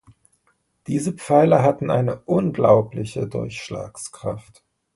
Diese Pfeile hatten eine unglaubliche Durchschlagskraft.